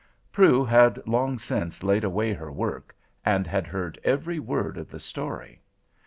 Prue had long since laid away her work, and had heard every word of the story.